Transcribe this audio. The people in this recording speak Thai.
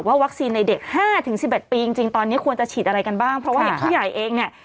วัคซีนในเด็ก๕๑๑ปีจริงตอนนี้ควรจะฉีดอะไรกันบ้างเพราะว่าอย่างผู้ใหญ่เองเนี่ย